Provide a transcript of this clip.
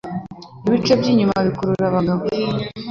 ibice by'inyuma bikurura abagabo